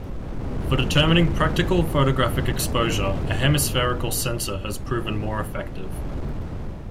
For determining practical photographic exposure, a hemispherical sensor has proven more effective.